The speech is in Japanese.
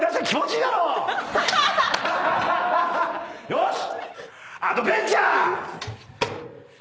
よし！